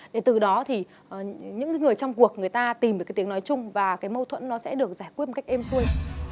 để từ đó thì những người trong cuộc người ta tìm được cái tiếng nói chung và cái mâu thuẫn nó sẽ được giải quyết một cách êm xuôi